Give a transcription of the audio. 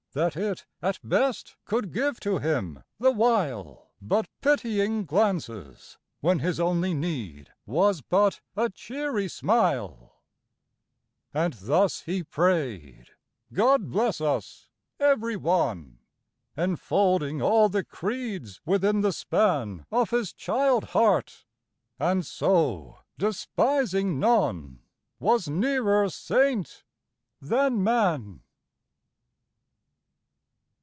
That it, at best, could give to him, the while. But pitying glances, when his only need Was but a cheery smile. And thus he prayed, " God bless us every one!" Enfolding all the creeds within the span Of his child heart; and so, despising none, Was nearer saint than man.